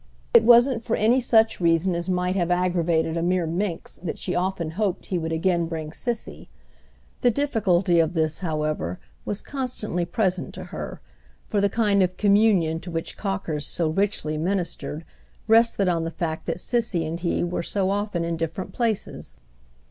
It wasn't for any such reason as might have aggravated a mere minx that she often hoped he would again bring Cissy. The difficulty of this, however, was constantly present to her, for the kind of communion to which Cocker's so richly ministered rested on the fact that Cissy and he were so often in different places.